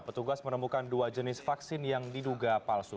petugas menemukan dua jenis vaksin yang diduga palsu